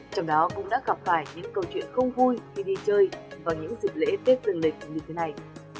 trong đó cũng đã gặp phải những câu chuyện không vui khi đi chơi vào những dịp lễ tết dương lịch như thế này